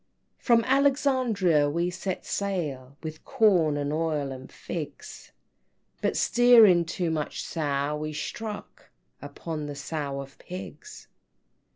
V. "From Alexandria we set sail, With corn, and oil, and figs, But steering 'too much Sow,' we struck Upon the Sow and Pigs!"